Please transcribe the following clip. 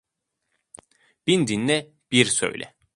Bin dinle, bir söyle.